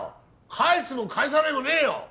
返すも返さねえもねえよ